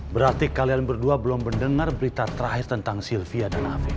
berarti kalian berdua belum mendengar berita terakhir tentang sylvia dan afiq